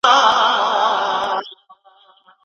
په ډیرو قصابانو